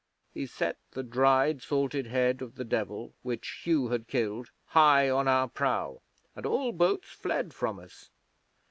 'He set the dried, salted head of the Devil, which Hugh had killed, high on our prow, and all boats fled from us.